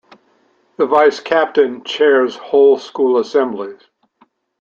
The Vice-Captain chairs whole school assemblies.